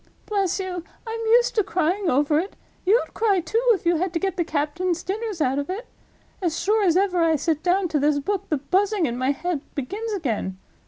Bless you, I'm used to crying over it. You'd cry, too, if you had to get the captain's dinners out of it. As sure as ever I sit down to this book the Buzzing in my head begins again.